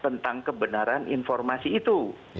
tentang kebenaran informasi itu